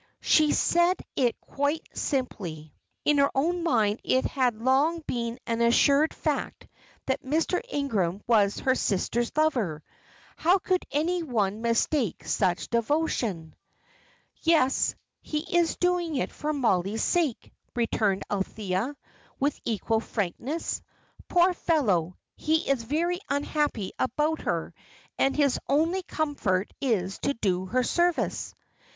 She said it quite simply. In her own mind it had long been an assured fact that Mr. Ingram was her sister's lover. How could any one mistake such devotion? "Yes, he is doing it for Mollie's sake," returned Althea, with equal frankness. "Poor fellow! he is very unhappy about her, and his only comfort is to do her service."